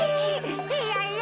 いやいや。